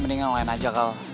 mending ngelain aja kal